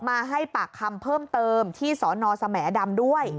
มาให้ปากคำเพิ่มเติมที่สนสแหมดำด้วย